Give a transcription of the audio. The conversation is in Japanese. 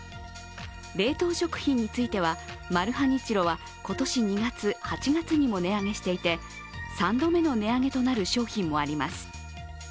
冷凍食品についてはマルハニチロは今年２月、８月にも値上げしていて３度目の値上げとなる商品もあります。